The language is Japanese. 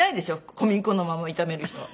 小麦粉のまま炒める人。